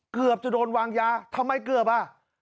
เกือบจะโดนวางยาทำไมเกือบอ่ะ